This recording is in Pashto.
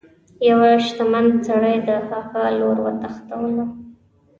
یوه شتمن سړي د هغه لور وتښتوله.